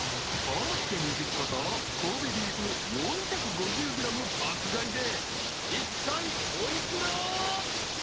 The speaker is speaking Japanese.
［コロッケ２０個と神戸ビーフ４５０ｇ爆買いでいったいお幾ら？］